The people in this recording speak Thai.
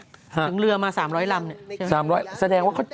ถึงเรือมา๓๐๐ลำเนี่ย